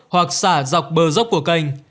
hoặc xả dọc bờ dốc của kênh